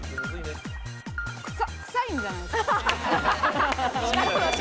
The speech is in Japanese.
臭いんじゃないですかね。